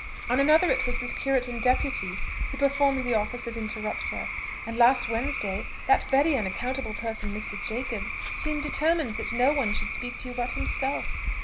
on another it was his curate and deputy who performed the office of interrupter; and last Wednesday, that very unaccountable person Mr. Jacob seemed determined that no one should speak to you but himself.